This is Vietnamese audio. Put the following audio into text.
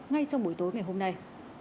ngay trong buổi tối ngày hôm nay